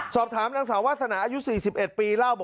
สอบถามนักสารว่าสนายุคน๔๑ปีนะครับ